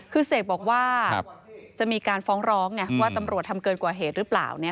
คือเสกบอกว่าจะมีการฟ้องร้องไงว่าตำรวจทำเกินกว่าเหตุหรือเปล่า